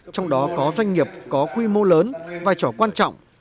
trong đó có doanh nghiệp có quy mô lớn vai trò quan trọng